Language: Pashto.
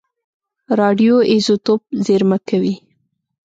راډیو ایزوتوپ زېرمه کوي.